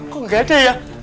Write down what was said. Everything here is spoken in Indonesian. kok gak ada ya